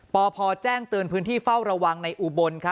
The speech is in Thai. พพแจ้งเตือนพื้นที่เฝ้าระวังในอุบล